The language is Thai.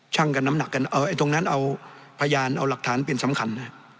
่งกันน้ำหนักกันเอาไอ้ตรงนั้นเอาพยานเอาหลักฐานเป็นสำคัญ